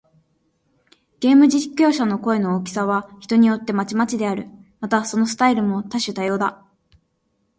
ゲーム実況者の声の大きさは、人によってまちまちである。また、そのスタイルも多種多様だ。